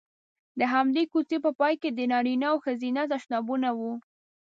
د همدې کوڅې په پای کې د نارینه او ښځینه تشنابونه وو.